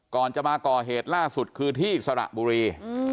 ก่อนจะมาก่อเหตุล่าสุดคือที่สระบุรี